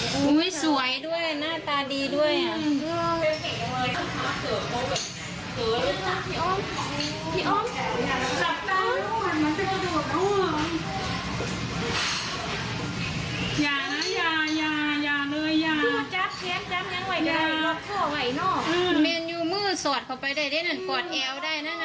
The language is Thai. พี่อ้อมสับปากแต่กระโดดอ้อม